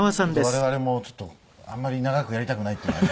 我々もちょっとあんまり長くやりたくないっていうのが。